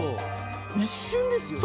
一瞬ですよ。